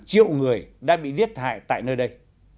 phụ nữ đã bị giết hại tại nơi đây